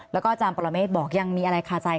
แล้วก็อาจารย์ปรเมฆบอกยังมีอะไรคาใจ